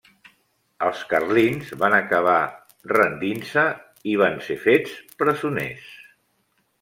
Els carlins van acabar rendint-se i van ser fets presoners.